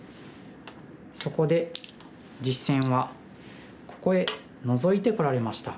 そこで実戦はここへノゾいてこられました。